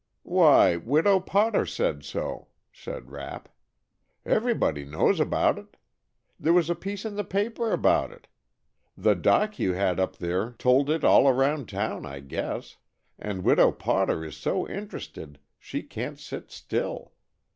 "Why, Widow Potter said so," said Rapp. "Everybody knows about it. There was a piece in the paper about it. The Doc you had up there told it all around town, I guess. And Widow Potter is so interested she can't sit still.